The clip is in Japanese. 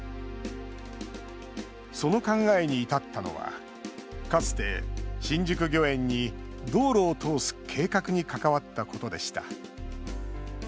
その考えに至ったのはかつて新宿御苑に道路を通す計画に関わったことでした。